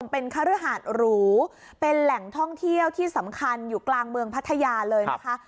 เป็นคฤหาสหรูเป็นแหล่งท่องเที่ยวที่สำคัญอยู่กลางเมืองพัทยาเลยนะคะ